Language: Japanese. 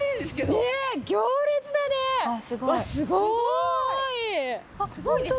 すごーい！